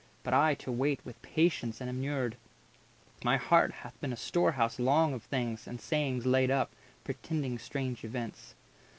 But I to wait with patience am inured; My heart hath been a storehouse long of things And sayings laid up, pretending strange events."